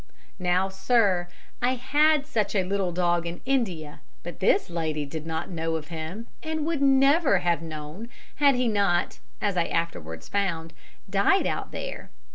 Now, sir, I had such a little dog in India, but this lady did not know of him, and would never have known had he not, as I afterwards found, died out there.